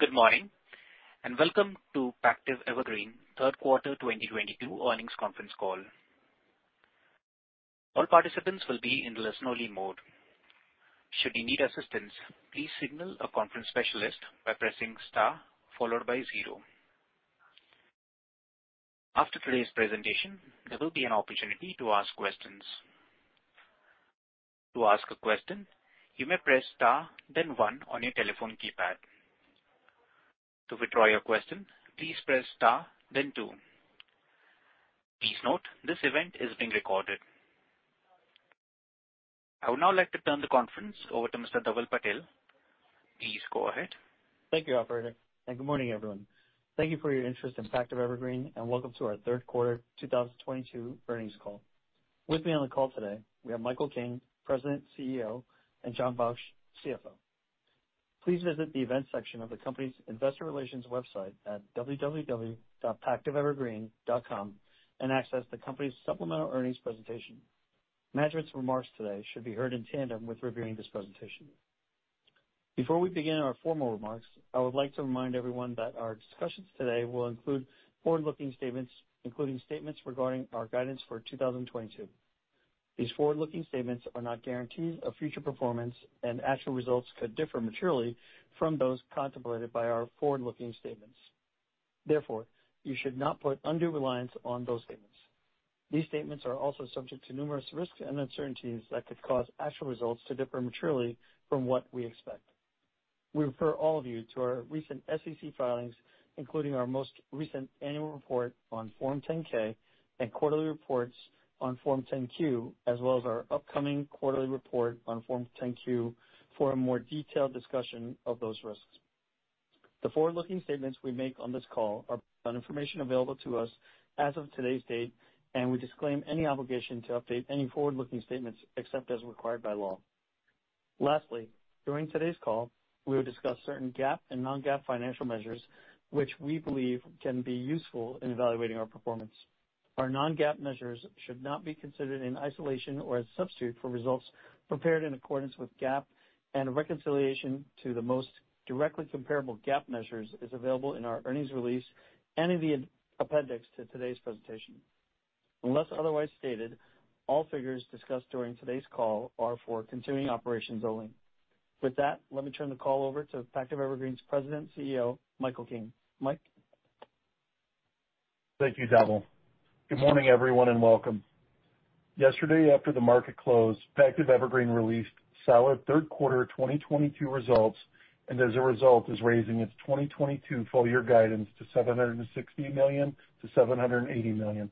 Good morning, and welcome to Pactiv Evergreen third quarter 2022 earnings conference call. All participants will be in listen only mode. Should you need assistance, please signal a conference specialist by pressing Star followed by zero. After today's presentation, there will be an opportunity to ask questions. To ask a question, you may press Star then one on your telephone keypad. To withdraw your question, please press Star then two. Please note this event is being recorded. I would now like to turn the conference over to Mr. Dhaval Patel. Please go ahead. Thank you, operator, and good morning, everyone. Thank you for your interest in Pactiv Evergreen and welcome to our third quarter 2022 earnings call. With me on the call today, we have Michael King, President and CEO, and Jonathan Baksht, CFO. Please visit the events section of the company's investor relations website at www.pactivevergreen.com and access the company's supplemental earnings presentation. Management's remarks today should be heard in tandem with reviewing this presentation. Before we begin our formal remarks, I would like to remind everyone that our discussions today will include forward-looking statements, including statements regarding our guidance for 2022. These forward-looking statements are not guarantees of future performance, and actual results could differ materially from those contemplated by our forward-looking statements. Therefore, you should not put undue reliance on those statements. These statements are also subject to numerous risks and uncertainties that could cause actual results to differ materially from what we expect. We refer all of you to our recent SEC filings, including our most recent annual report on Form 10-K and quarterly reports on Form 10-Q, as well as our upcoming quarterly report on Form 10-Q for a more detailed discussion of those risks. The forward-looking statements we make on this call are based on information available to us as of today's date, and we disclaim any obligation to update any forward-looking statements except as required by law. Lastly, during today's call, we will discuss certain GAAP and non-GAAP financial measures which we believe can be useful in evaluating our performance. Our non-GAAP measures should not be considered in isolation or as substitute for results prepared in accordance with GAAP, and reconciliation to the most directly comparable GAAP measures is available in our earnings release and in the appendix to today's presentation. Unless otherwise stated, all figures discussed during today's call are for continuing operations only. With that, let me turn the call over to Pactiv Evergreen's President and CEO, Michael King. Mike? Thank you, Dhaval. Good morning, everyone, and welcome. Yesterday, after the market closed, Pactiv Evergreen released solid third quarter 2022 results and as a result is raising its 2022 full-year guidance to $760 million-$780 million.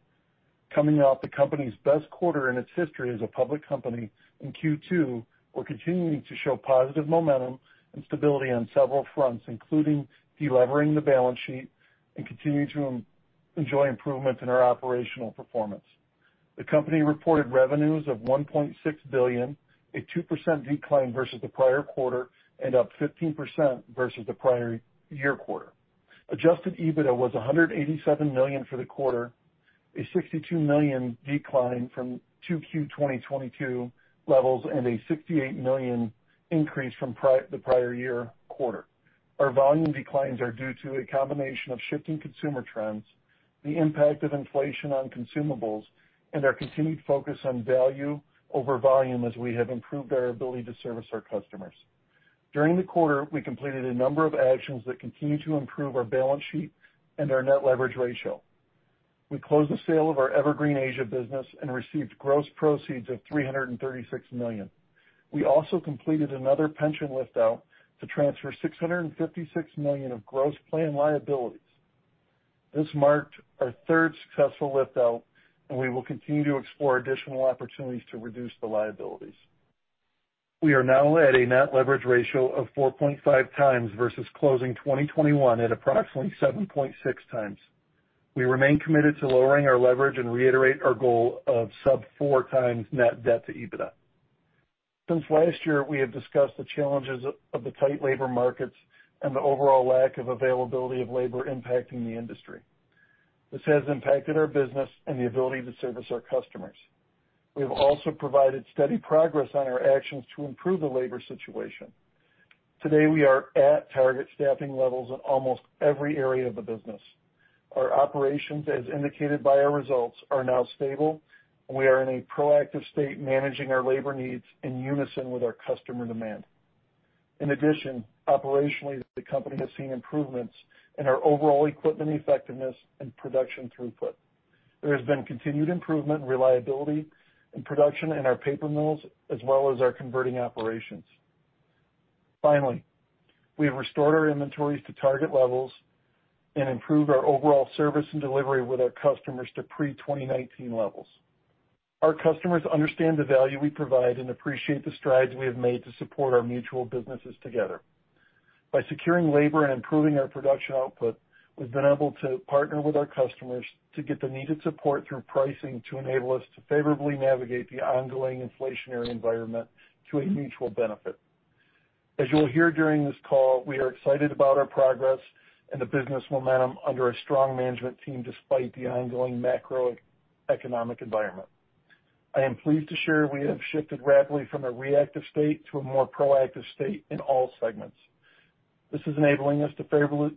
Coming off the company's best quarter in its history as a public company in Q2, we're continuing to show positive momentum and stability on several fronts, including delevering the balance sheet and continuing to enjoy improvements in our operational performance. The company reported revenues of $1.6 billion, a 2% decline versus the prior quarter and up 15% versus the prior year quarter. Adjusted EBITDA was $187 million for the quarter, a $62 million decline from 2Q 2022 levels and a $68 million increase from the prior year quarter. Our volume declines are due to a combination of shifting consumer trends, the impact of inflation on consumables, and our continued focus on value over volume as we have improved our ability to service our customers. During the quarter, we completed a number of actions that continue to improve our balance sheet and our net leverage ratio. We closed the sale of our Evergreen Asia business and received gross proceeds of $336 million. We also completed another pension lift out to transfer $656 million of gross plan liabilities. This marked our third successful lift out, and we will continue to explore additional opportunities to reduce the liabilities. We are now at a net leverage ratio of 4.5 times versus closing 2021 at approximately 7.6 times. We remain committed to lowering our leverage and reiterate our goal of sub 4 times net debt to EBITDA. Since last year, we have discussed the challenges of the tight labor markets and the overall lack of availability of labor impacting the industry. This has impacted our business and the ability to service our customers. We have also provided steady progress on our actions to improve the labor situation. Today, we are at target staffing levels in almost every area of the business. Our operations, as indicated by our results, are now stable. We are in a proactive state, managing our labor needs in unison with our customer demand. In addition, operationally, the company has seen improvements in our overall equipment effectiveness and production throughput. There has been continued improvement in reliability and production in our paper mills as well as our converting operations. Finally, we have restored our inventories to target levels and improved our overall service and delivery with our customers to pre-2019 levels. Our customers understand the value we provide and appreciate the strides we have made to support our mutual businesses together. By securing labor and improving our production output, we've been able to partner with our customers to get the needed support through pricing to enable us to favorably navigate the ongoing inflationary environment to a mutual benefit. As you'll hear during this call, we are excited about our progress and the business momentum under a strong management team despite the ongoing macroeconomic environment. I am pleased to share we have shifted rapidly from a reactive state to a more proactive state in all segments. This is enabling us to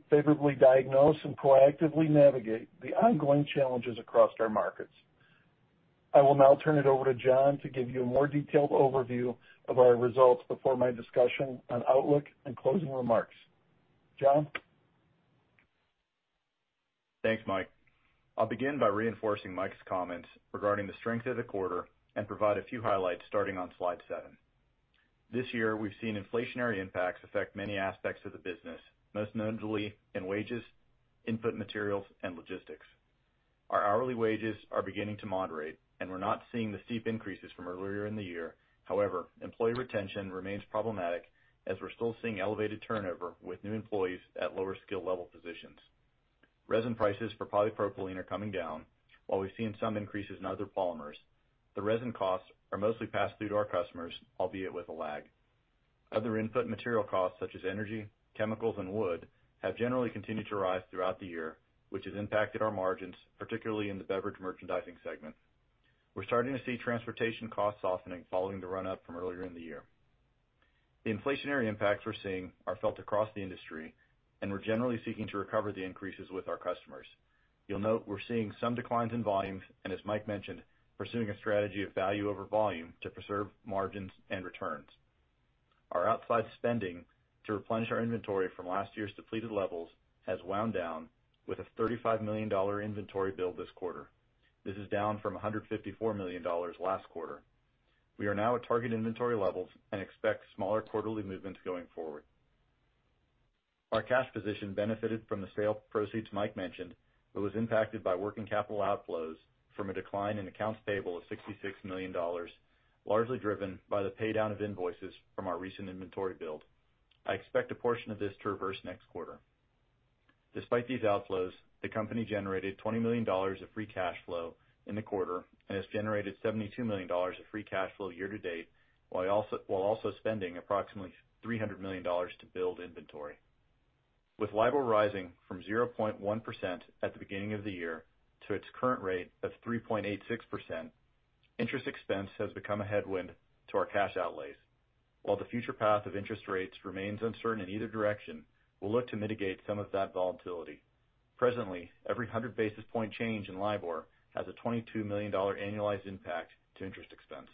favorably diagnose and proactively navigate the ongoing challenges across our markets. I will now turn it over to John to give you a more detailed overview of our results before my discussion on outlook and closing remarks. John? Thanks, Mike. I'll begin by reinforcing Mike's comments regarding the strength of the quarter and provide a few highlights starting on slide seven. This year, we've seen inflationary impacts affect many aspects of the business, most notably in wages, input materials, and logistics. Our hourly wages are beginning to moderate, and we're not seeing the steep increases from earlier in the year. However, employee retention remains problematic as we're still seeing elevated turnover with new employees at lower skill level positions. Resin prices for polypropylene are coming down. While we've seen some increases in other polymers, the resin costs are mostly passed through to our customers, albeit with a lag. Other input material costs, such as energy, chemicals, and wood, have generally continued to rise throughout the year, which has impacted our margins, particularly in the Beverage Merchandising segment. We're starting to see transportation costs softening following the run up from earlier in the year. The inflationary impacts we're seeing are felt across the industry, and we're generally seeking to recover the increases with our customers. You'll note we're seeing some declines in volumes, and as Mike mentioned, pursuing a strategy of value over volume to preserve margins and returns. Our outside spending to replenish our inventory from last year's depleted levels has wound down with a $35 million inventory build this quarter. This is down from a $154 million last quarter. We are now at target inventory levels and expect smaller quarterly movements going forward. Our cash position benefited from the sale proceeds Mike mentioned, but was impacted by working capital outflows from a decline in accounts payable of $66 million, largely driven by the pay down of invoices from our recent inventory build. I expect a portion of this to reverse next quarter. Despite these outflows, the company generated $20 million of free cash flow in the quarter and has generated $72 million of free cash flow year to date, while also spending approximately $300 million to build inventory. With LIBOR rising from 0.1% at the beginning of the year to its current rate of 3.86%, interest expense has become a headwind to our cash outlays. While the future path of interest rates remains uncertain in either direction, we'll look to mitigate some of that volatility. Presently, every 100 basis point change in LIBOR has a $22 million annualized impact to interest expense.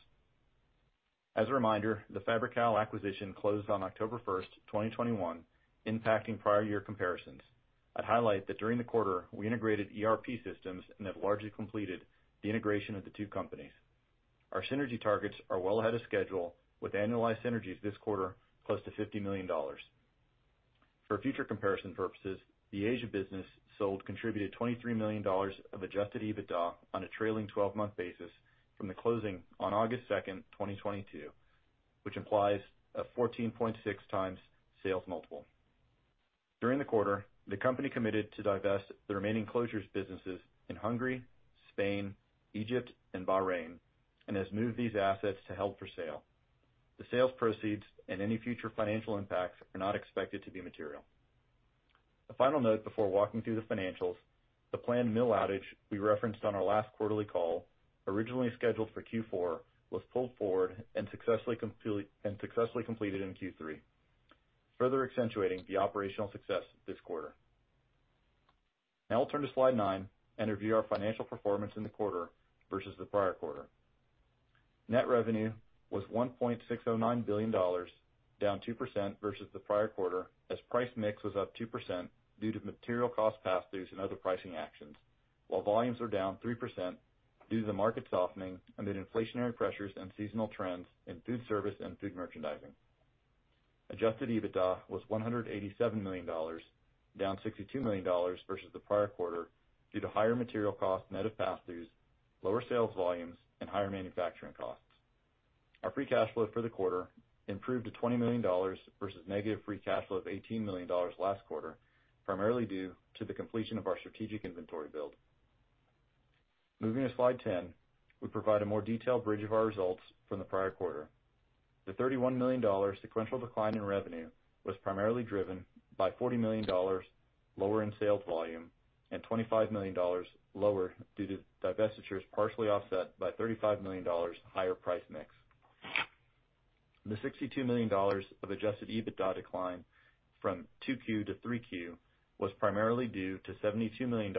As a reminder, the Fabri-Kal acquisition closed on October 1, 2021, impacting prior year comparisons. I'd highlight that during the quarter, we integrated ERP systems and have largely completed the integration of the two companies. Our synergy targets are well ahead of schedule, with annualized synergies this quarter close to $50 million. For future comparison purposes, the Asia business sold contributed $23 million of Adjusted EBITDA on a trailing 12-month basis from the closing on August 2, 2022, which implies a 14.6x sales multiple. During the quarter, the company committed to divest the remaining closures businesses in Hungary, Spain, Egypt, and Bahrain, and has moved these assets to held for sale. The sales proceeds and any future financial impacts are not expected to be material. A final note before walking through the financials, the planned mill outage we referenced on our last quarterly call, originally scheduled for Q4, was pulled forward and successfully completed in Q3, further accentuating the operational success this quarter. Now I'll turn to slide nine and review our financial performance in the quarter versus the prior quarter. Net revenue was $1.609 billion, down 2% versus the prior quarter, as price mix was up 2% due to material cost pass-throughs and other pricing actions, while volumes were down 3% due to the market softening amid inflationary pressures and seasonal trends in food service and food merchandising. Adjusted EBITDA was $187 million, down $62 million versus the prior quarter due to higher material costs net of pass-throughs, lower sales volumes, and higher manufacturing costs. Our free cash flow for the quarter improved to $20 million versus negative free cash flow of $18 million last quarter, primarily due to the completion of our strategic inventory build. Moving to slide 10, we provide a more detailed bridge of our results from the prior quarter. The $31 million sequential decline in revenue was primarily driven by $40 million lower in sales volume and $25 million lower due to divestitures, partially offset by $35 million higher price mix. The $62 million of Adjusted EBITDA decline from 2Q to 3Q was primarily due to $72 million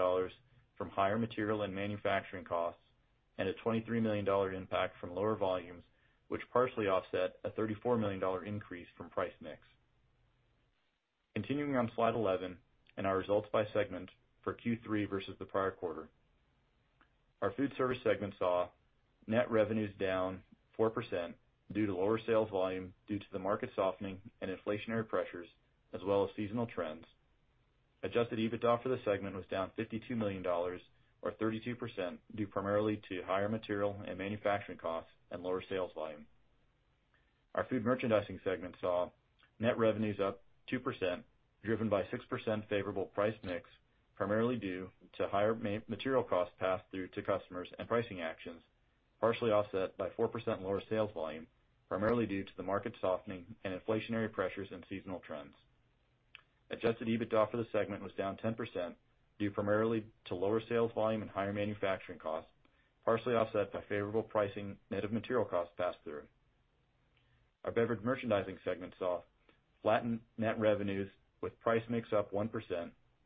from higher material and manufacturing costs and a $23 million impact from lower volumes, which partially offset a $34 million increase from price mix. Continuing on slide 11 and our results by segment for Q3 versus the prior quarter. Our food service segment saw net revenues down 4% due to lower sales volume due to the market softening and inflationary pressures, as well as seasonal trends. Adjusted EBITDA for the segment was down $52 million or 32%, due primarily to higher material and manufacturing costs and lower sales volume. Our food merchandising segment saw net revenues up 2%, driven by 6% favorable price mix, primarily due to higher material costs passed through to customers and pricing actions, partially offset by 4% lower sales volume, primarily due to the market softening and inflationary pressures and seasonal trends. Adjusted EBITDA for the segment was down 10% due primarily to lower sales volume and higher manufacturing costs, partially offset by favorable pricing net of material costs passed through. Our Beverage Merchandising segment saw flattened net revenues with price mix up 1%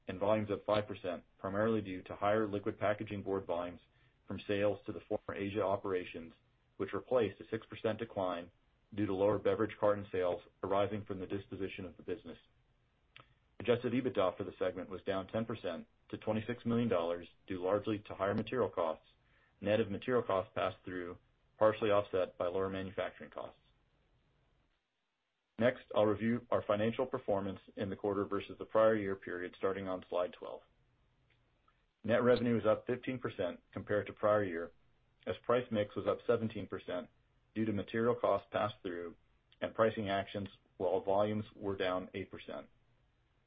and volumes up 5%, primarily due to higher liquid packaging board volumes from sales to the former Asia operations, which replaced a 6% decline due to lower beverage carton sales arising from the disposition of the business. Adjusted EBITDA for the segment was down 10% to $26 million, due largely to higher material costs, net of material costs passed through, partially offset by lower manufacturing costs. Next, I'll review our financial performance in the quarter versus the prior year period, starting on slide 12. Net revenue was up 15% compared to prior year, as price mix was up 17% due to material costs passed through and pricing actions, while volumes were down 8%.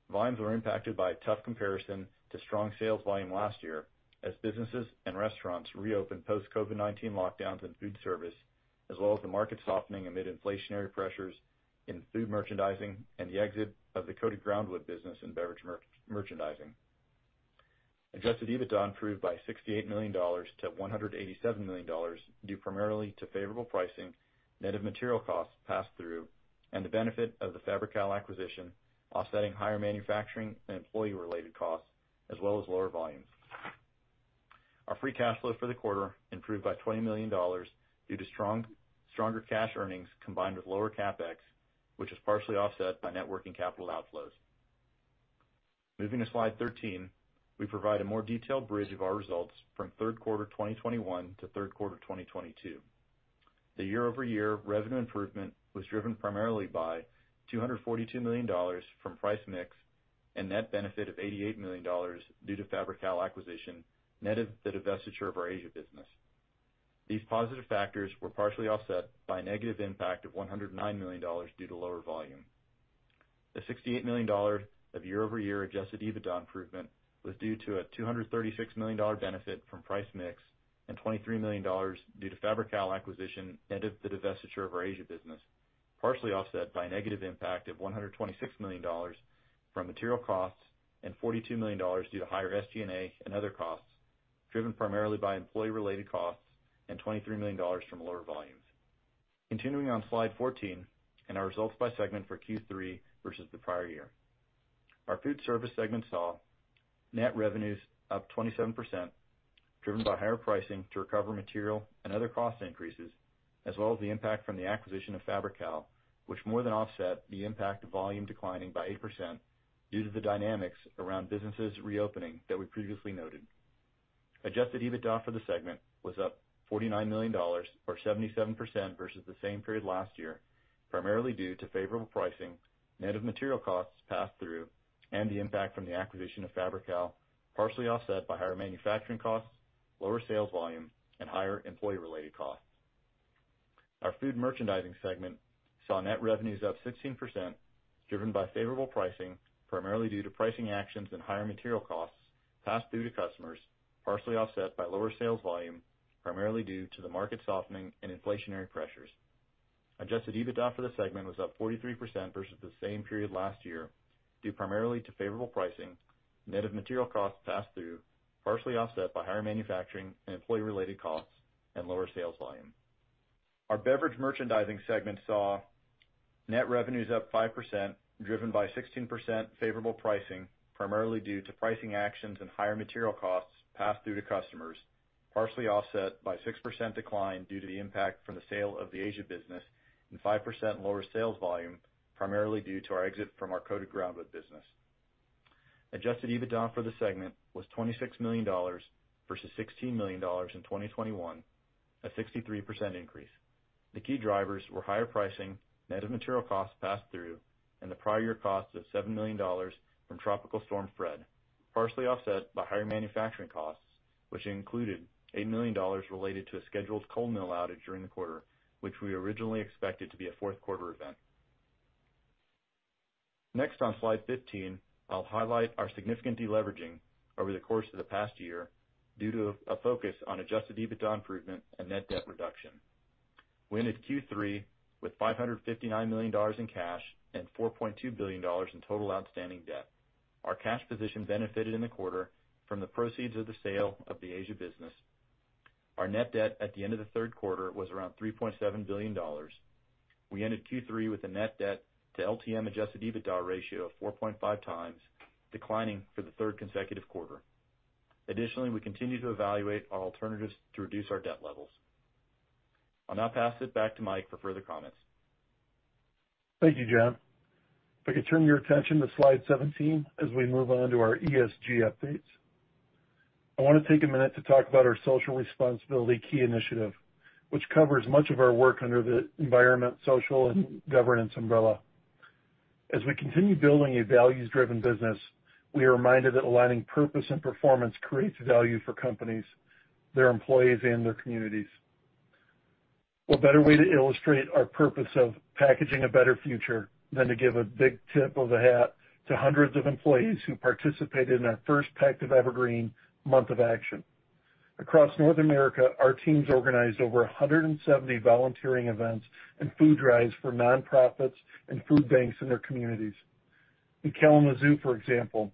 Volumes were impacted by a tough comparison to strong sales volume last year as businesses and restaurants reopened post COVID-19 lockdowns and food service, as well as the market softening amid inflationary pressures in food merchandising and the exit of the coated groundwood business in Beverage Merchandising. Adjusted EBITDA improved by $68 million to $187 million, due primarily to favorable pricing, net of material costs passed through, and the benefit of the Fabri-Kal acquisition, offsetting higher manufacturing and employee-related costs as well as lower volumes. Our free cash flow for the quarter improved by $20 million due to stronger cash earnings combined with lower CapEx, which was partially offset by net working capital outflows. Moving to slide 13. We provide a more detailed bridge of our results from third quarter 2021 to third quarter 2022. The year-over-year revenue improvement was driven primarily by $242 million from price mix and net benefit of $88 million due to Fabri-Kal acquisition, net of the divestiture of our Asia business. These positive factors were partially offset by a negative impact of $109 million due to lower volume. The $68 million of year-over-year Adjusted EBITDA improvement was due to a $236 million dollar benefit from price mix and $23 million due to Fabri-Kal acquisition net of the divestiture of our Asia business, partially offset by a negative impact of $126 million from material costs and $42 million due to higher SG&A and other costs, driven primarily by employee-related costs and $23 million from lower volumes. Continuing on slide 14 and our results by segment for Q3 versus the prior year. Our Foodservice segment saw net revenues up 27%, driven by higher pricing to recover material and other cost increases, as well as the impact from the acquisition of Fabri-Kal, which more than offset the impact of volume declining by 8% due to the dynamics around businesses reopening that we previously noted. Adjusted EBITDA for the segment was up $49 million or 77% versus the same period last year, primarily due to favorable pricing, net of material costs passed through, and the impact from the acquisition of Fabri-Kal, partially offset by higher manufacturing costs, lower sales volume, and higher employee-related costs. Our Food Merchandising segment saw net revenues up 16%, driven by favorable pricing, primarily due to pricing actions and higher material costs passed through to customers, partially offset by lower sales volume, primarily due to the market softening and inflationary pressures. Adjusted EBITDA for the segment was up 43% versus the same period last year, due primarily to favorable pricing, net of material costs passed through, partially offset by higher manufacturing and employee-related costs and lower sales volume. Our Beverage Merchandising segment saw net revenues up 5%, driven by 16% favorable pricing, primarily due to pricing actions and higher material costs passed through to customers, partially offset by 6% decline due to the impact from the sale of the Asia business and 5% lower sales volume, primarily due to our exit from our coated groundwood business. Adjusted EBITDA for the segment was $26 million versus $16 million in 2021, a 63% increase. The key drivers were higher pricing, net of material costs passed through, and the prior year cost of $7 million from Tropical Storm Fred, partially offset by higher manufacturing costs, which included $8 million related to a scheduled coal mill outage during the quarter, which we originally expected to be a fourth quarter event. Next, on slide 15, I'll highlight our significant deleveraging over the course of the past year due to a focus on Adjusted EBITDA improvement and net debt reduction. We ended Q3 with $559 million in cash and $4.2 billion in total outstanding debt. Our cash position benefited in the quarter from the proceeds of the sale of the Asia business. Our net debt at the end of the third quarter was around $3.7 billion. We ended Q3 with a net debt to LTM Adjusted EBITDA ratio of 4.5 times, declining for the third consecutive quarter. Additionally, we continue to evaluate our alternatives to reduce our debt levels. I'll now pass it back to Mike for further comments. Thank you, Jonathan Baksht. If I could turn your attention to slide 17 as we move on to our ESG updates. I wanna take a minute to talk about our social responsibility key initiative, which covers much of our work under the environment, social, and governance umbrella. As we continue building a values-driven business, we are reminded that aligning purpose and performance creates value for companies, their employees, and their communities. What better way to illustrate our purpose of packaging a better future than to give a big tip of the hat to hundreds of employees who participated in our first Give Back Month of Action? Across North America, our teams organized over 170 volunteering events and food drives for nonprofits and food banks in their communities. In Kalamazoo, for example,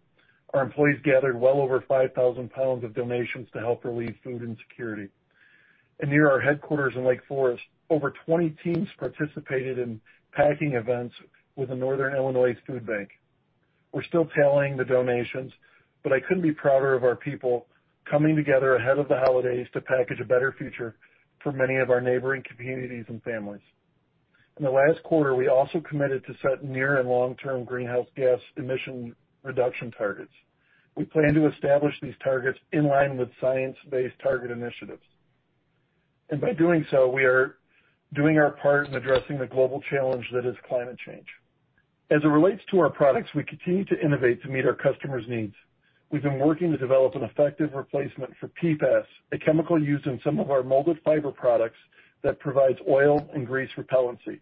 our employees gathered well over 5,000 pounds of donations to help relieve food insecurity. Near our headquarters in Lake Forest, over 20 teams participated in packing events with the Northern Illinois Food Bank. We're still tallying the donations, but I couldn't be prouder of our people coming together ahead of the holidays to package a better future for many of our neighboring communities and families. In the last quarter, we also committed to set near- and long-term greenhouse gas emission reduction targets. We plan to establish these targets in line with the Science Based Targets initiative. By doing so, we are doing our part in addressing the global challenge that is climate change. As it relates to our products, we continue to innovate to meet our customers' needs. We've been working to develop an effective replacement for PFAS, a chemical used in some of our molded fiber products that provides oil and grease repellency.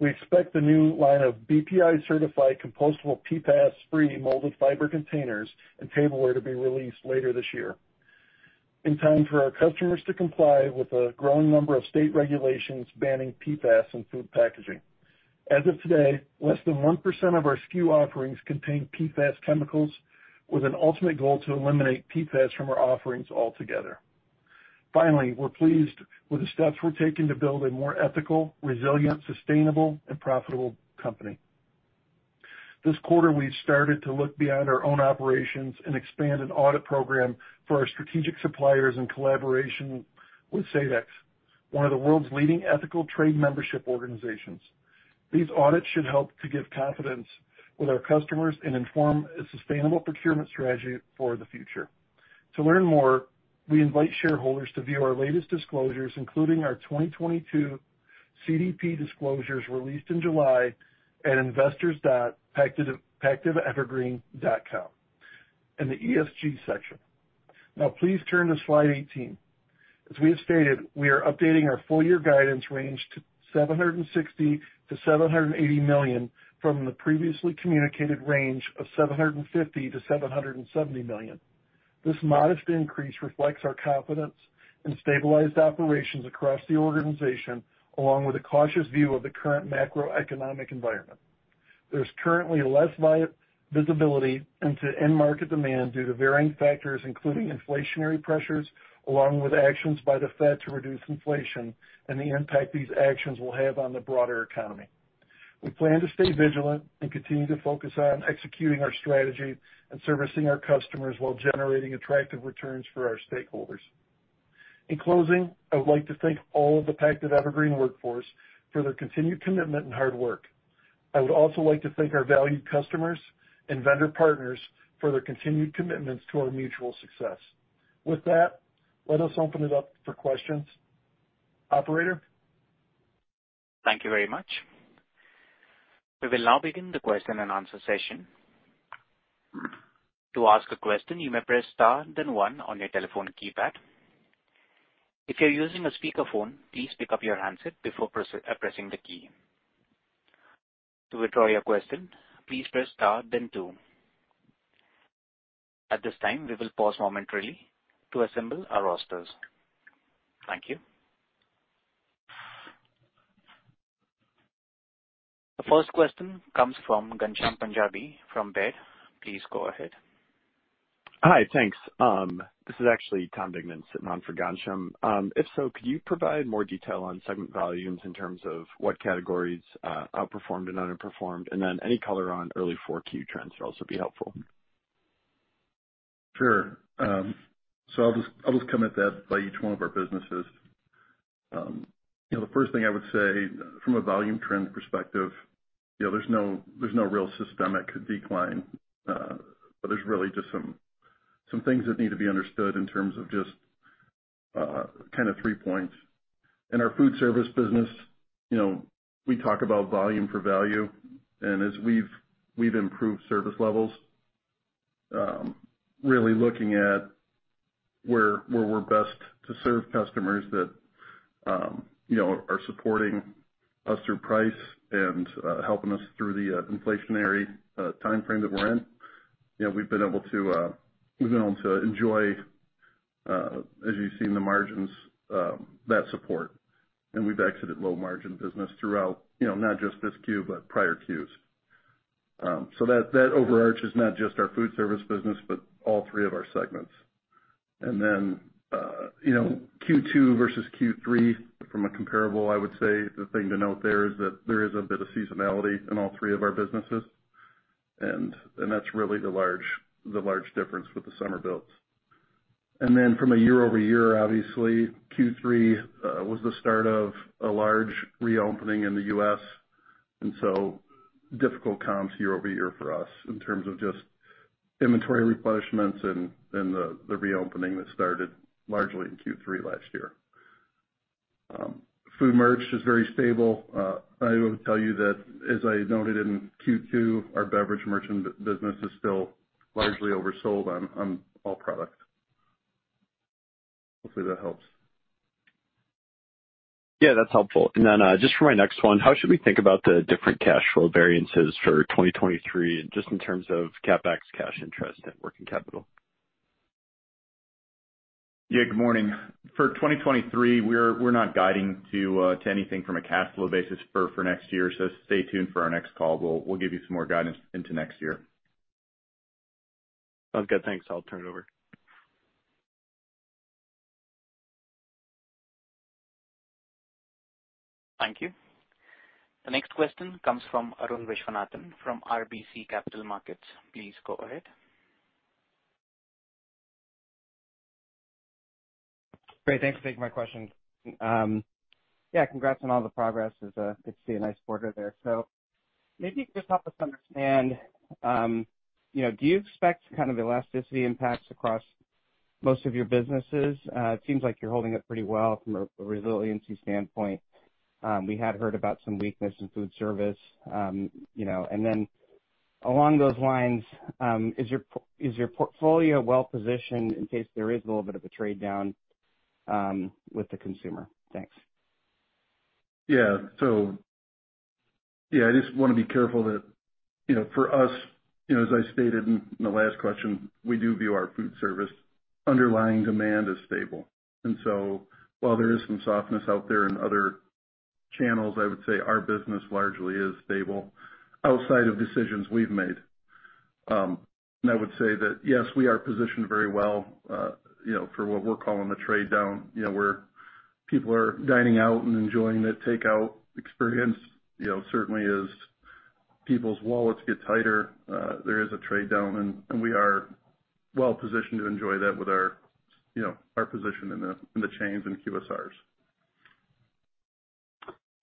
We expect the new line of BPI-certified compostable PFAS-free molded fiber containers and tableware to be released later this year in time for our customers to comply with a growing number of state regulations banning PFAS in food packaging. As of today, less than 1% of our SKU offerings contain PFAS chemicals, with an ultimate goal to eliminate PFAS from our offerings altogether. Finally, we're pleased with the steps we're taking to build a more ethical, resilient, sustainable, and profitable company. This quarter, we started to look beyond our own operations and expand an audit program for our strategic suppliers in collaboration with Sedex, one of the world's leading ethical trade membership organizations. These audits should help to give confidence with our customers and inform a sustainable procurement strategy for the future. To learn more, we invite shareholders to view our latest disclosures, including our 2022 CDP disclosures released in July at investors.pactiv-evergreen.com in the ESG section. Now please turn to slide 18. As we have stated, we are updating our full year guidance range to $760 million-$780 million from the previously communicated range of $750 million-$770 million. This modest increase reflects our confidence in stabilized operations across the organization, along with a cautious view of the current macroeconomic environment. There's currently less visibility into end market demand due to varying factors, including inflationary pressures, along with actions by the Fed to reduce inflation and the impact these actions will have on the broader economy. We plan to stay vigilant and continue to focus on executing our strategy and servicing our customers while generating attractive returns for our stakeholders. In closing, I would like to thank all of the Pactiv Evergreen workforce for their continued commitment and hard work. I would also like to thank our valued customers and vendor partners for their continued commitments to our mutual success. With that, let us open it up for questions. Operator? Thank you very much. We will now begin the question-and-answer session. To ask a question, you may press star then one on your telephone keypad. If you're using a speakerphone, please pick up your handset before pressing the key. To withdraw your question, please press star then two. At this time, we will pause momentarily to assemble our rosters. Thank you. The first question comes from Ghansham Panjabi from Baird. Please go ahead. Hi. Thanks. This is actually Thomas Digenan sitting in for Ghansham Panjabi. Also, could you provide more detail on segment volumes in terms of what categories outperformed and underperformed? Any color on early 4Q trends would also be helpful. Sure. I'll just come at that by each one of our businesses. You know, the first thing I would say from a volume trend perspective, you know, there's no real systemic decline, but there's really just some things that need to be understood in terms of just kind of three points. In our food service business, you know, we talk about volume for value. As we've improved service levels, really looking at where we're best to serve customers that you know, are supporting us through price and helping us through the inflationary timeframe that we're in. You know, we've been able to enjoy, as you've seen the margins, that support. We've exited low-margin business throughout, you know, not just this Q, but prior Qs. That overarches not just our food service business, but all three of our segments. You know, Q2 versus Q3 from a comparable, I would say the thing to note there is that there is a bit of seasonality in all three of our businesses. That's really the large difference with the summer builds. From a year-over-year, obviously, Q3 was the start of a large reopening in the U.S., and so difficult comps year-over-year for us in terms of just inventory replenishments and the reopening that started largely in Q3 last year. Food merch is very stable. I will tell you that as I noted in Q2, our beverage merchandising business is still largely oversold on all products. Hopefully, that helps. Yeah, that's helpful. Just for my next one, how should we think about the different cash flow variances for 2023, and just in terms of CapEx, cash interest, and working capital? Yeah, good morning. For 2023, we're not guiding to anything from a cash flow basis for next year. Stay tuned for our next call. We'll give you some more guidance into next year. Sounds good. Thanks. I'll turn it over. Thank you. The next question comes from Arun Viswanathan from RBC Capital Markets. Please go ahead. Great. Thanks for taking my question. Yeah, congrats on all the progress. It's good to see a nice quarter there. Maybe just help us understand, you know, do you expect kind of elasticity impacts across most of your businesses? It seems like you're holding up pretty well from a resiliency standpoint. We had heard about some weakness in food service, you know. Then along those lines, is your portfolio well-positioned in case there is a little bit of a trade-down with the consumer? Thanks. Yeah. Yeah, I just wanna be careful that, you know, for us, you know, as I stated in the last question, we do view our food service underlying demand as stable. While there is some softness out there in other channels, I would say our business largely is stable outside of decisions we've made. I would say that, yes, we are positioned very well, you know, for what we're calling the trade-down, you know, where people are dining out and enjoying that takeout experience, you know, certainly as people's wallets get tighter, there is a trade-down, and we are well positioned to enjoy that with our, you know, our position in the chains and QSRs.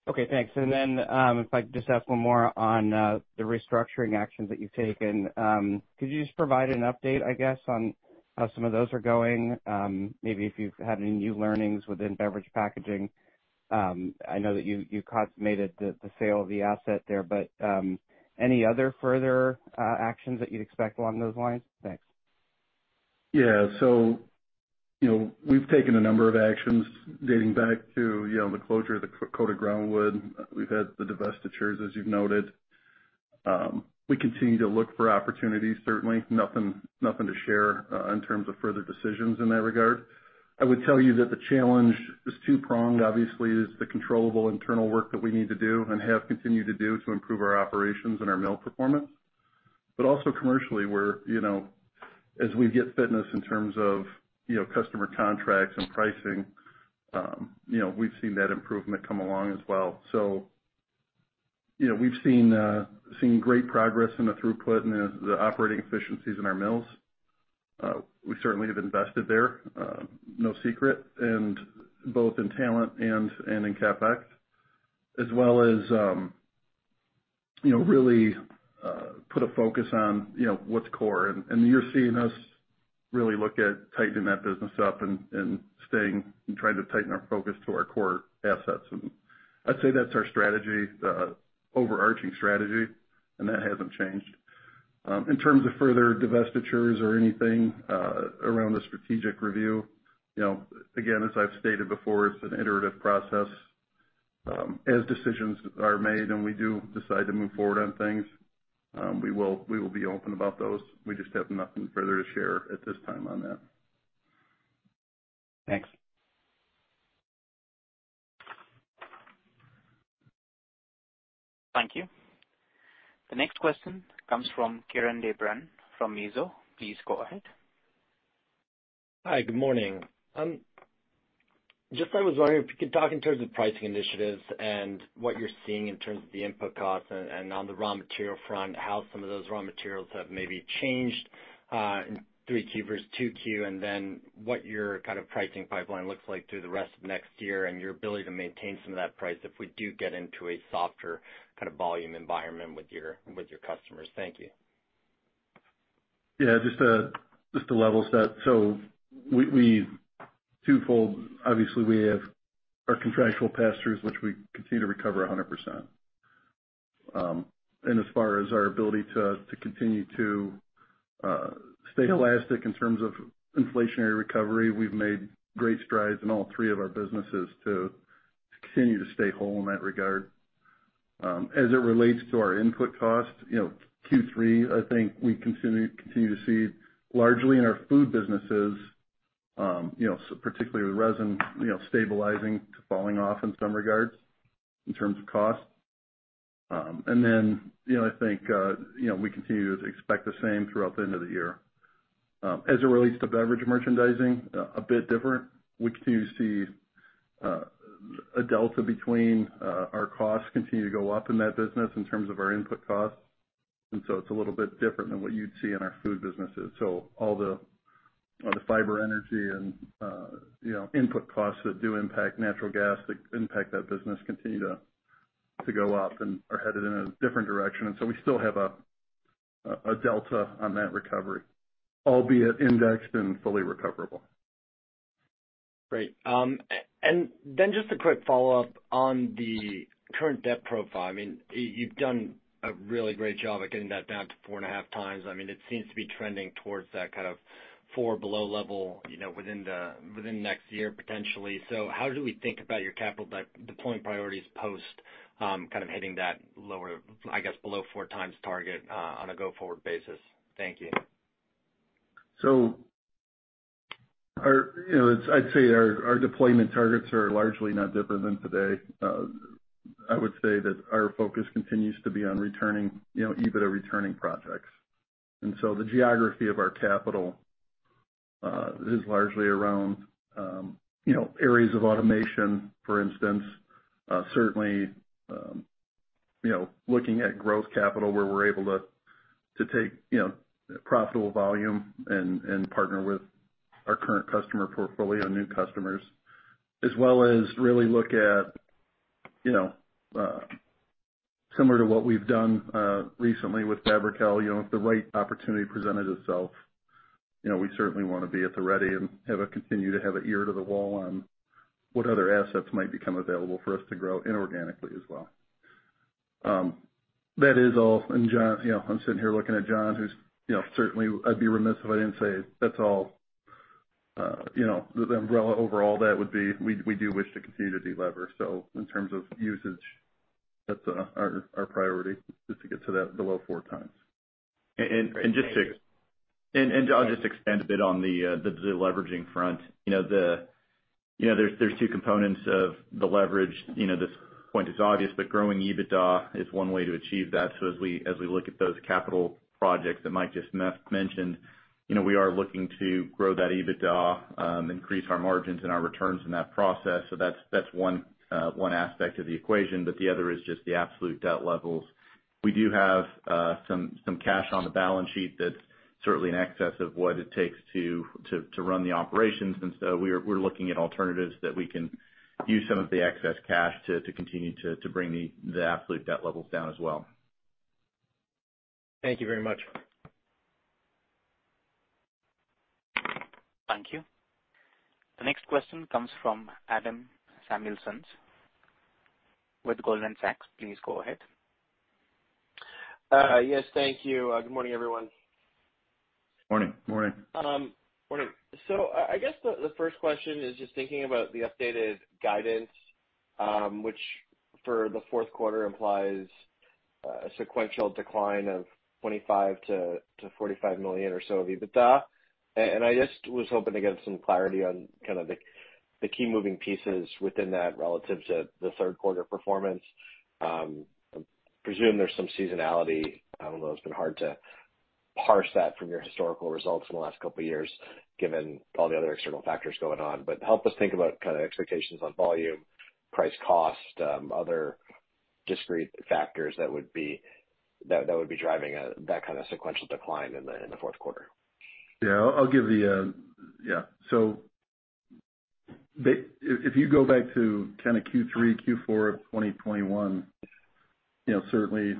Okay, thanks. If I could just ask one more on the restructuring actions that you've taken. Could you just provide an update, I guess, on how some of those are going? Maybe if you've had any new learnings within beverage packaging. I know that you consummated the sale of the asset there, but any other further actions that you'd expect along those lines? Thanks. Yeah. You know, we've taken a number of actions dating back to, you know, the closure of the coated groundwood. We've had the divestitures, as you've noted. We continue to look for opportunities, certainly. Nothing to share in terms of further decisions in that regard. I would tell you that the challenge is two-pronged. Obviously it's the controllable internal work that we need to do and have continued to do to improve our operations and our mill performance. Also commercially, we're, you know, as we get traction in terms of, you know, customer contracts and pricing, you know, we've seen that improvement come along as well. You know, we've seen great progress in the throughput and the operating efficiencies in our mills. We certainly have invested there, no secret, and both in talent and in CapEx. As well as, you know, really put a focus on, you know, what's core. You're seeing us really look at tightening that business up and staying and trying to tighten our focus to our core assets. I'd say that's our strategy, overarching strategy, and that hasn't changed. In terms of further divestitures or anything around the strategic review, you know, again, as I've stated before, it's an iterative process. As decisions are made and we do decide to move forward on things, we will be open about those. We just have nothing further to share at this time on that. Thanks. Thank you. The next question comes from Kieran de Bruyn from Mizuho. Please go ahead. Hi, good morning. Just I was wondering if you could talk in terms of pricing initiatives and what you're seeing in terms of the input costs and on the raw material front, how some of those raw materials have maybe changed in 3Q versus 2Q, and then what your kind of pricing pipeline looks like through the rest of next year and your ability to maintain some of that price if we do get into a softer kind of volume environment with your customers. Thank you. Yeah, just to level set. We twofold, obviously have our contractual pass-throughs, which we continue to recover 100%. As far as our ability to continue to stay elastic in terms of inflationary recovery, we've made great strides in all three of our businesses to continue to stay whole in that regard. As it relates to our input costs, you know, Q3, I think we continue to see largely in our food businesses, you know, particularly with resin, you know, stabilizing to falling off in some regards in terms of cost. Then, you know, I think, you know, we continue to expect the same throughout the end of the year. As it relates to beverage merchandising, a bit different. We continue to see a delta between our costs continue to go up in that business in terms of our input costs. It's a little bit different than what you'd see in our food businesses. All the fiber energy and input costs that do impact natural gas that impact that business continue to go up and are headed in a different direction. We still have a delta on that recovery, albeit indexed and fully recoverable. Great. Then just a quick follow-up on the current debt profile. I mean, you've done a really great job at getting that down to 4.5x. I mean, it seems to be trending towards that kind of 4x below level, you know, within the next year potentially. How do we think about your capital deployment priorities post kind of hitting that lower, I guess, below 4x target on a go-forward basis? Thank you. I'd say our deployment targets are largely not different than today. I would say that our focus continues to be on returning you know EBITDA returning projects. The geography of our capital is largely around you know areas of automation, for instance. Certainly you know looking at growth capital where we're able to take you know profitable volume and partner with our current customer portfolio, new customers, as well as really look at you know similar to what we've done recently with Fabri-Kal. You know, if the right opportunity presented itself, you know, we certainly wanna be at the ready and continue to have an ear to the wall on what other assets might become available for us to grow inorganically as well. That is all. John... You know, I'm sitting here looking at Jonathan Baksht, who's, you know, certainly I'd be remiss if I didn't say that's all, you know, the umbrella overall that would be, we do wish to continue to delever. In terms of usage, that's, our priority is to get to that below four times. And, and just to- I'll just expand a bit on the deleveraging front. You know, there's two components of the leverage. You know, this point is obvious, but growing EBITDA is one way to achieve that. As we look at those capital projects that Mike just mentioned, you know, we are looking to grow that EBITDA, increase our margins and our returns in that process. That's one aspect of the equation. But the other is just the absolute debt levels. We do have some cash on the balance sheet that's certainly in excess of what it takes to run the operations. We're looking at alternatives that we can use some of the excess cash to continue to bring the absolute debt levels down as well. Thank you very much. Thank you. The next question comes from Adam Samuelson with Goldman Sachs. Please go ahead. Yes, thank you. Good morning, everyone. Morning. Morning. Morning. I guess the first question is just thinking about the updated guidance, which for the fourth quarter implies a sequential decline of $25 million-$45 million or so of EBITDA. I just was hoping to get some clarity on kind of the key moving pieces within that relative to the third quarter performance. I presume there's some seasonality. I don't know, it's been hard to parse that from your historical results in the last couple of years, given all the other external factors going on. Help us think about kind of expectations on volume, price, cost, other discrete factors that would be driving that kind of sequential decline in the fourth quarter. If you go back to kind of Q3, Q4 of 2021, you know, certainly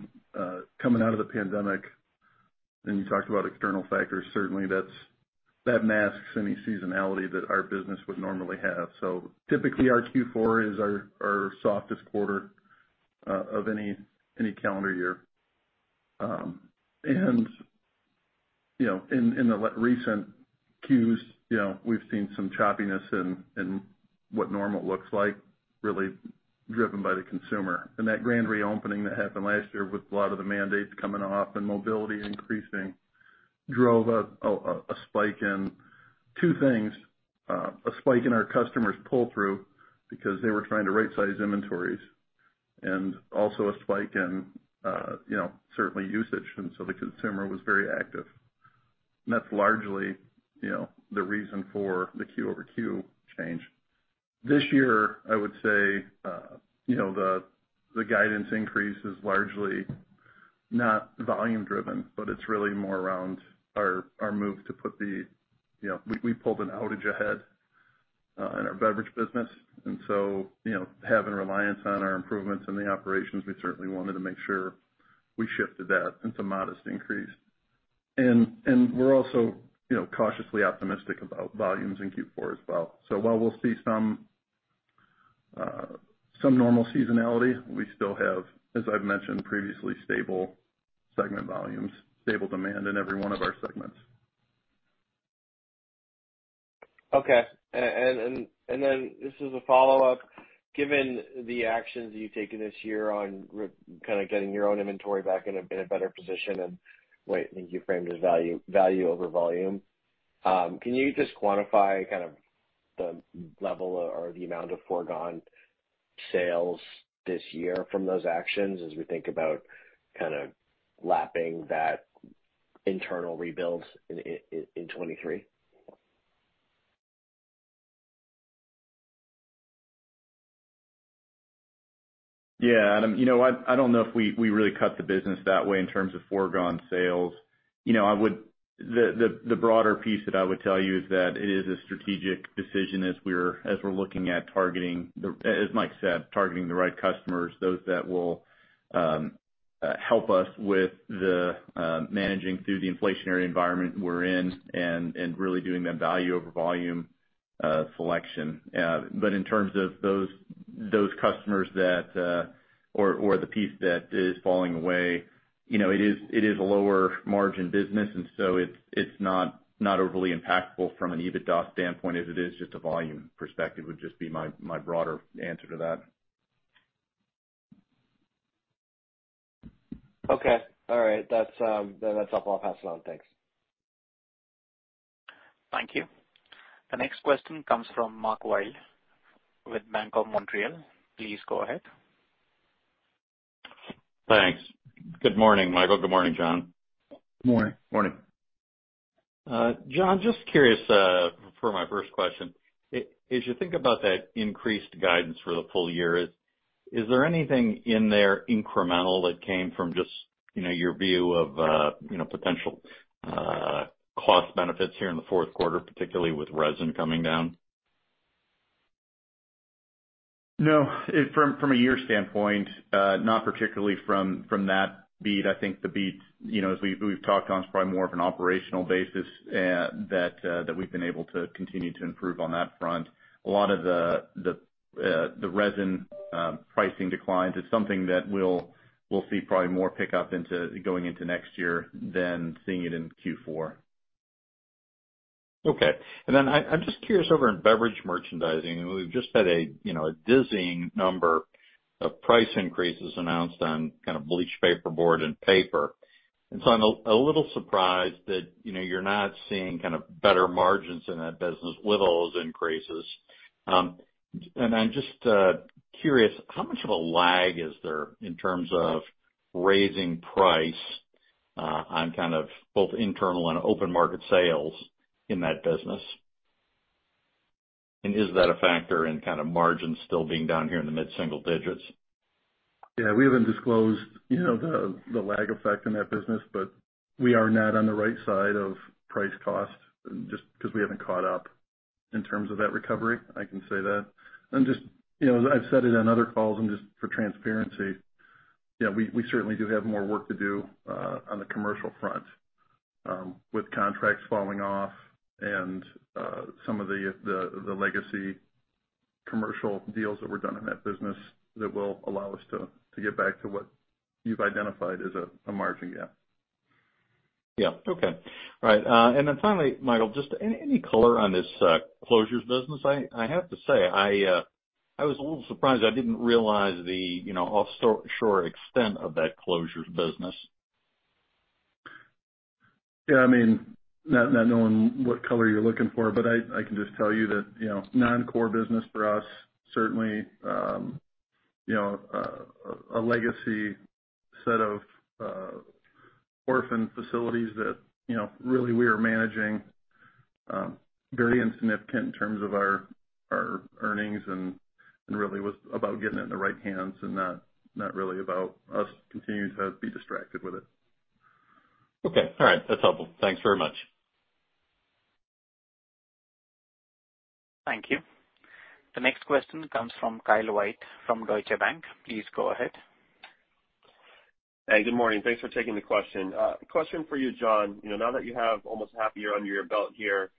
coming out of the pandemic, and you talked about external factors, certainly that masks any seasonality that our business would normally have. Typically our Q4 is our softest quarter of any calendar year. You know, in the recent Qs, you know, we've seen some choppiness in what normal looks like, really driven by the consumer. That grand reopening that happened last year with a lot of the mandates coming off and mobility increasing drove a spike in two things. A spike in our customers' pull-through because they were trying to right-size inventories, and also a spike in you know, certainly usage. The consumer was very active. That's largely, you know, the reason for the Q-over-Q change. This year, I would say, you know, the guidance increase is largely not volume driven, but it's really more around our move. You know, we pulled an outage ahead in our beverage business. You know, having reliance on our improvements in the operations, we certainly wanted to make sure we shifted that. It's a modest increase. We're also, you know, cautiously optimistic about volumes in Q4 as well. While we'll see some normal seasonality, we still have, as I've mentioned previously, stable segment volumes, stable demand in every one of our segments. This is a follow-up. Given the actions you've taken this year on kind of getting your own inventory back in a better position and way I think you framed as value over volume, can you just quantify kind of the level or the amount of foregone sales this year from those actions as we think about kind of lapping that internal rebuild in 2023? Yeah. You know, I don't know if we really cut the business that way in terms of foregone sales. You know, the broader piece that I would tell you is that it is a strategic decision as we're looking at targeting the right customers, those that will help us with the managing through the inflationary environment we're in and really doing that value over volume selection. But in terms of those customers that or the piece that is falling away, you know, it is a lower margin business, and so it's not overly impactful from an EBITDA standpoint as it is just a volume perspective. That would just be my broader answer to that. Okay. All right. That's all I'll pass along. Thanks. Thank you. The next question comes from Mark Wilde with Bank of Montreal. Please go ahead. Thanks. Good morning, Michael. Good morning, John. Morning. Morning. Jonathan Baksht, just curious, for my first question. As you think about that increased guidance for the full year, is there anything in there incremental that came from just, you know, your view of, you know, potential, cost benefits here in the fourth quarter, particularly with resin coming down? No. From a year standpoint, not particularly from that beat. I think the beat, you know, as we've talked on, is probably more of an operational basis that we've been able to continue to improve on that front. A lot of the resin pricing declines is something that we'll see probably more pickup going into next year than seeing it in Q4. Okay. I'm just curious, over in Beverage Merchandising, we've just had, you know, a dizzying number of price increases announced on kind of bleached paperboard and paper. I'm a little surprised that, you know, you're not seeing kind of better margins in that business with all those increases. I'm just curious, how much of a lag is there in terms of raising price on kind of both internal and open market sales in that business? Is that a factor in kind of margins still being down here in the mid-single digits%? Yeah, we haven't disclosed, you know, the lag effect in that business, but we are not on the right side of price cost just 'cause we haven't caught up in terms of that recovery, I can say that. Just, you know, as I've said it on other calls, and just for transparency, yeah, we certainly do have more work to do on the commercial front, with contracts falling off and some of the legacy commercial deals that were done in that business that will allow us to get back to what you've identified as a margin gap. Yeah. Okay. All right. Finally, Michael, just any color on this closures business? I have to say, I was a little surprised. I didn't realize the you know, offshore extent of that closures business. Yeah, I mean, not knowing what color you're looking for, but I can just tell you that, you know, non-core business for us, certainly, you know, a legacy set of orphan facilities that, you know, really we are managing, very insignificant in terms of our earnings and really was about getting it in the right hands and not really about us continuing to be distracted with it. Okay. All right. That's helpful. Thanks very much. Thank you. The next question comes from Kyle White from Deutsche Bank. Please go ahead. Hey, good morning. Thanks for taking the question. Question for you, John. You know, now that you have almost half a year under your belt here,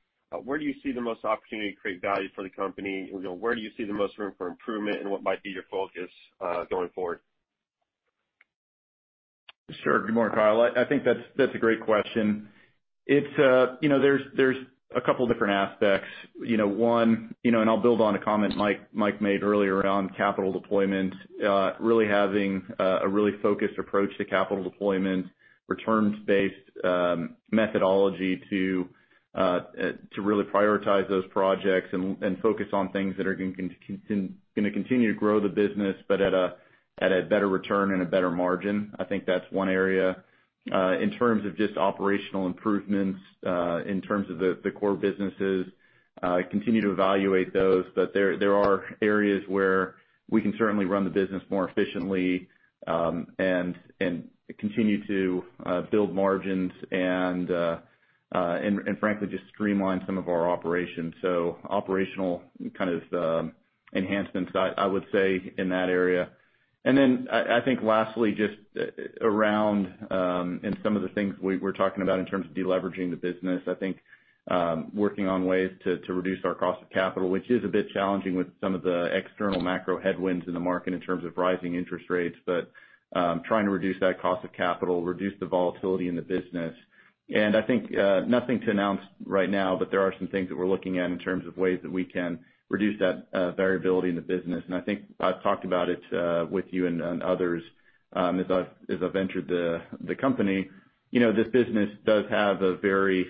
where do you see the most opportunity to create value for the company? You know, where do you see the most room for improvement and what might be your focus going forward? Sure. Good morning, Kyle. I think that's a great question. It's you know, there's a couple different aspects. You know, one, you know, I'll build on a comment Mike made earlier on capital deployment, really having a really focused approach to capital deployment, returns-based methodology to really prioritize those projects and focus on things that are gonna continue to grow the business, but at a better return and a better margin. I think that's one area. In terms of just operational improvements, in terms of the core businesses, continue to evaluate those, but there are areas where we can certainly run the business more efficiently, and continue to build margins and frankly, just streamline some of our operations. Operational kind of enhancements, I would say in that area. Then I think lastly, just around and some of the things we're talking about in terms of deleveraging the business, I think, working on ways to reduce our cost of capital, which is a bit challenging with some of the external macro headwinds in the market in terms of rising interest rates. Trying to reduce that cost of capital, reduce the volatility in the business. I think nothing to announce right now, but there are some things that we're looking at in terms of ways that we can reduce that variability in the business. I think I've talked about it with you and others as I've entered the company. You know, this business does have a very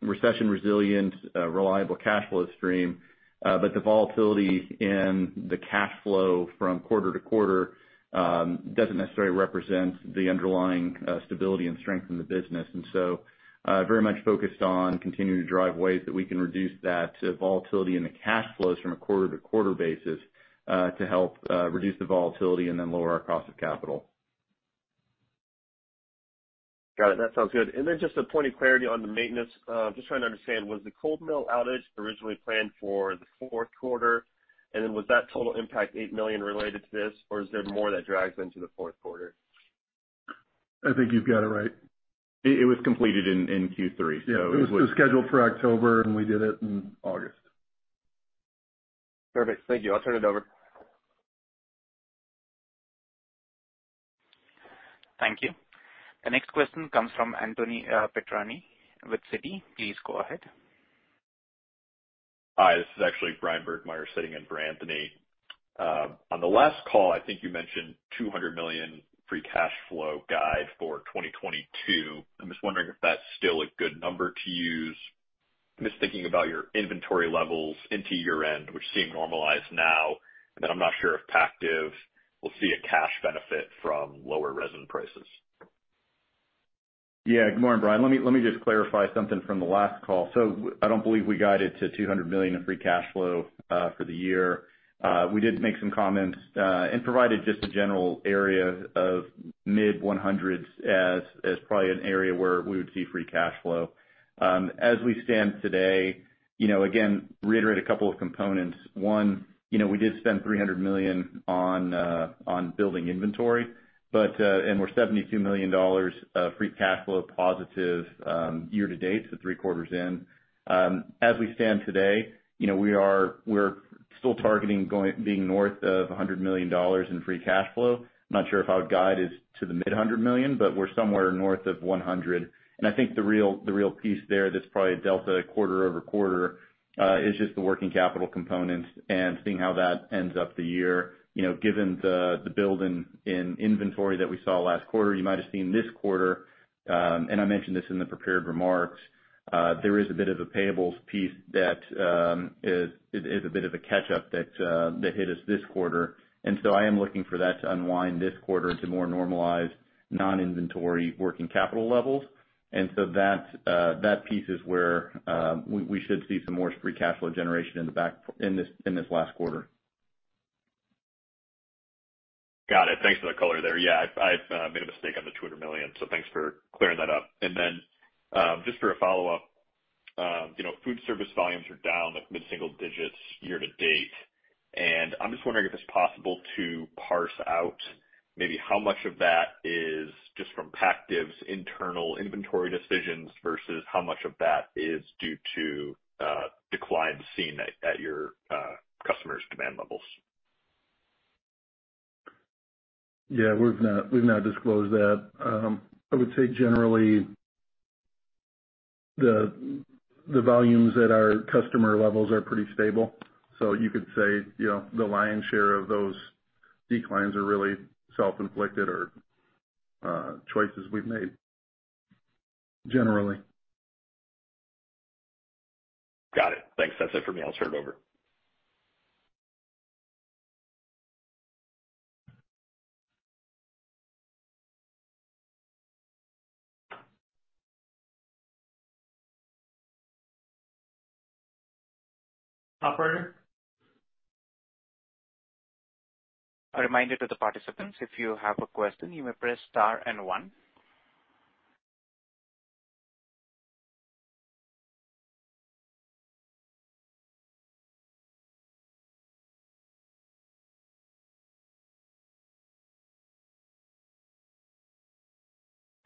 recession resilient, reliable cash flow stream, but the volatility in the cash flow from quarter to quarter doesn't necessarily represent the underlying stability and strength in the business. Very much focused on continuing to drive ways that we can reduce that volatility in the cash flows from a quarter-to-quarter basis to help reduce the volatility and then lower our cost of capital. Got it. That sounds good. Just a point of clarity on the maintenance. Just trying to understand, was the cold mill outage originally planned for the fourth quarter? Was that total impact $8 million related to this or is there more that drags into the fourth quarter? I think you've got it right. It was completed in Q3, so it was. Yeah. It was scheduled for October, and we did it in August. Perfect. Thank you. I'll turn it over. Thank you. The next question comes from Anthony Pettinari with Citi. Please go ahead. Hi, this is actually Bryan Burgmeier sitting in for Anthony. On the last call, I think you mentioned $200 million free cash flow guide for 2022. I'm just wondering if that's still a good number to use. I'm just thinking about your inventory levels into year-end, which seem normalized now, and then I'm not sure if Pactiv will see a cash benefit from lower resin prices. Yeah. Good morning, Bryan. Let me just clarify something from the last call. I don't believe we guided to $200 million in free cash flow for the year. We did make some comments and provided just a general area of mid-100s as probably an area where we would see free cash flow. As we stand today, you know, again, reiterate a couple of components. One, you know, we did spend $300 million on building inventory, but and we're $72 million of free cash flow positive year-to-date, so three quarters in. As we stand today, you know, we're still targeting being north of $100 million in free cash flow. I'm not sure if our guide is to the mid-100 million, but we're somewhere north of 100. I think the real piece there that's probably delta quarter-over-quarter is just the working capital components and seeing how that ends up the year. You know, given the build in inventory that we saw last quarter, you might have seen this quarter, and I mentioned this in the prepared remarks, there is a bit of a payables piece that is a bit of a catch-up that hit us this quarter. I am looking for that to unwind this quarter into more normalized non-inventory working capital levels. That piece is where we should see some more free cash flow generation in this last quarter. Got it. Thanks for the color there. Yeah, I had made a mistake on the $200 million, so thanks for clearing that up. Just for a follow-up, you know, food service volumes are down like mid-single digits year to date, and I'm just wondering if it's possible to parse out maybe how much of that is just from Pactiv's internal inventory decisions versus how much of that is due to declines seen at your customers' demand levels. Yeah, we've not disclosed that. I would say generally the volumes at our customer levels are pretty stable. You could say, you know, the lion's share of those declines are really self-inflicted or choices we've made, generally. Got it. Thanks. That's it for me. I'll turn it over. Operator? A reminder to the participants, if you have a question, you may press star and one.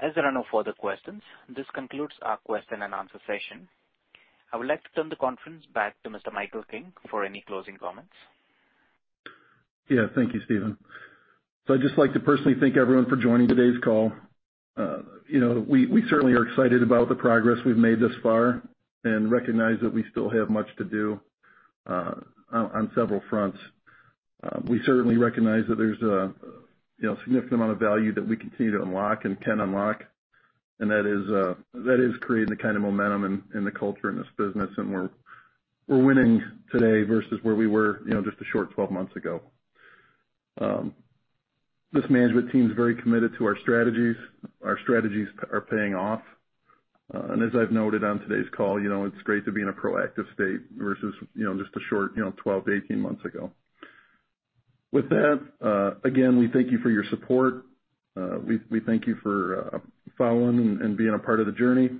As there are no further questions, this concludes our question and answer session. I would like to turn the conference back to Mr. Michael King for any closing comments. Yeah. Thank you, Steven. I'd just like to personally thank everyone for joining today's call. You know, we certainly are excited about the progress we've made thus far and recognize that we still have much to do on several fronts. We certainly recognize that there's a you know, significant amount of value that we continue to unlock and can unlock. That is creating the kind of momentum in the culture in this business, and we're winning today versus where we were you know, just a short 12 months ago. This management team is very committed to our strategies. Our strategies are paying off. As I've noted on today's call, you know, it's great to be in a proactive state versus you know, just a short 12-18 months ago. With that, again, we thank you for your support. We thank you for following and being a part of the journey.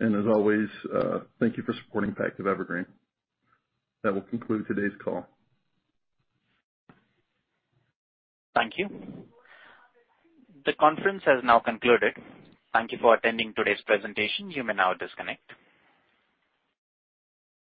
As always, thank you for supporting Pactiv Evergreen. That will conclude today's call. Thank you. The conference has now concluded. Thank you for attending today's presentation. You may now disconnect.